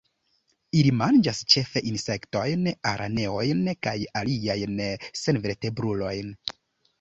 Ili manĝas ĉefe insektojn, araneojn kaj aliajn senvertebrulojn.